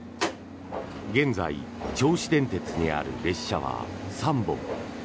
現在銚子電鉄にある列車は３本。